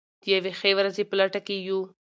د یوې ښې ورځې په لټه کې یو.